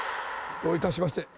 どういたしまして。